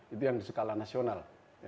itu yang di skala nasional